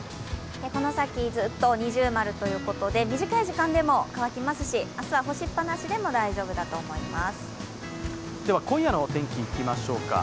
この先、ずっと二重丸ということで、短い時間でも乾きますし明日は干しっぱなしでも大丈夫だと思います。